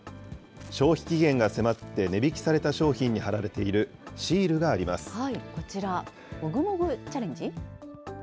消費期限が迫って値引きされた商品に貼られているシールがありまこちら、もぐもぐチャレンジ。